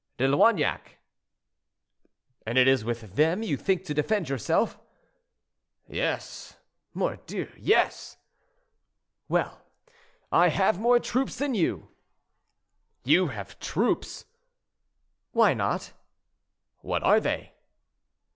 "De Loignac." "And it is with them you think to defend yourself?" "Yes, mordieu! yes." "Well, I have more troops than you." "You have troops?" "Why not?" "What are they?"